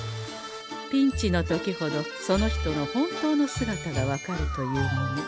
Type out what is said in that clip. ピンチの時ほどその人の本当の姿が分かるというもの。